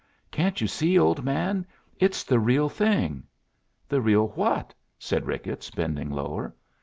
Can't you see, old man it's the real thing!" "The real what?" said Ricketts, bending lower.